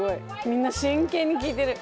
みんな真剣に聞いてる。